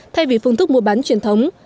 thay vì phương thức mua bán truyền thống